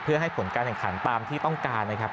เพื่อให้ผลการแข่งขันตามที่ต้องการนะครับ